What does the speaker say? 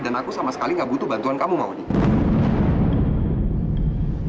dan aku sama sekali nggak butuh bantuan kamu maudie